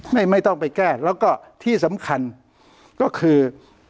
ไม่ต้องไปแก้แล้วก็ที่สำคัญก็คือ